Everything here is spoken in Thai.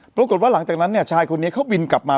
ปรากฏว่าหลังจากนั้นเนี่ยชายคนนี้เขาบินกลับมา